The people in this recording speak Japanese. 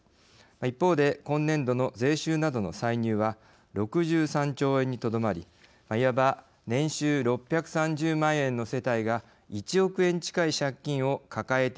一方で今年度の税収などの歳入は６３兆円にとどまりいわば年収６３０万円の世帯が１億円近い借金を抱えているような状況です。